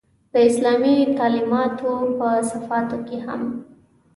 د اسلامي تعلمیاتو په صفحاتو کې هم.